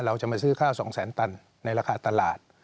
เราจะมาซื้อข้าว๒แสนตันในราคาตลาด